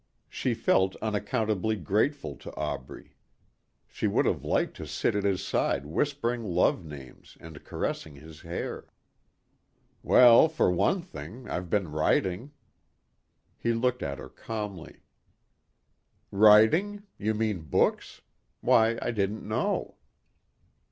She felt unaccountably grateful to Aubrey. She would have liked to sit at his side whispering love names and caressing his hair. "Well, for one thing, I've been writing." He looked at her calmly. "Writing? You mean books? Why, I didn't know!"